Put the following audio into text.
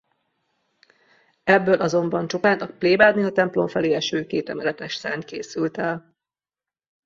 Ebből azonban csupán a plébániatemplom felé eső kétemeletes szárny készült el.